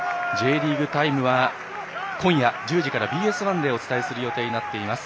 「Ｊリーグタイム」は今夜１０時からＢＳ１でお伝えする予定になっています。